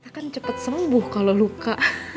kakak kan cepet sembuh kalo luka